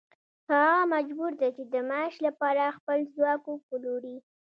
هغه مجبور دی چې د معاش لپاره خپل ځواک وپلوري